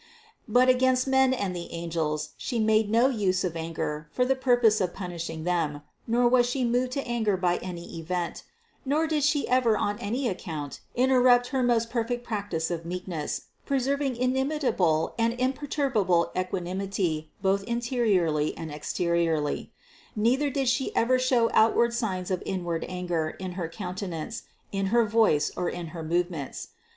But against men and the angels She made no use of anger for the purpose of punishing them, nor was She moved to anger by any event, nor did She ever on any account interrupt her most perfect practice of meekness, preserving inimitable and imperturbable equanimity both interiorly and exteriorly ; neither did She ever show out ward signs of inward anger in her countenance, in her voice or in her movements.